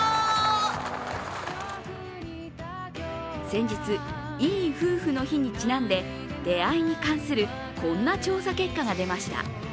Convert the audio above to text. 先日、いい夫婦の日にちなんで、出会いに関するこんな調査結果が出ました。